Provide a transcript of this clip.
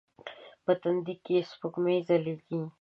په تندې کې یې سپوږمۍ ځلیږې